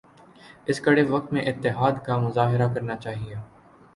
اس کڑے وقت میں اتحاد کا مظاہرہ کرنا چاہئے